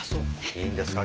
いいんですか？